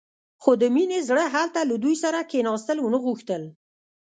خو د مينې زړه هلته له دوی سره کښېناستل ونه غوښتل.